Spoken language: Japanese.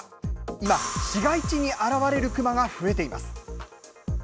今、市街地に現れるクマが増えています。